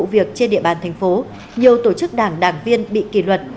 trong vụ án vụ việc trên địa bàn thành phố nhiều tổ chức đảng đảng viên bị kỳ luật